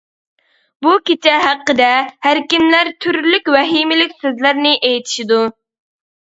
بۇ كېچە ھەققىدە ھەر كىملەر تۈرلۈك ۋەھىمىلىك سۆزلەرنى ئېيتىشىدۇ.